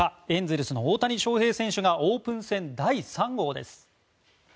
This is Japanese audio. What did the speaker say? エンゼルスの大谷翔平選手がオープン戦、第３号です。